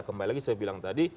kembali lagi saya bilang tadi